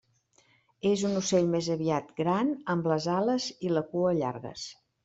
És un ocell més aviat gran amb les ales i la cua llargues.